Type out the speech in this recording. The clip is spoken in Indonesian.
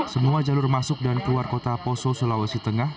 semua jalur masuk dan keluar kota poso sulawesi tengah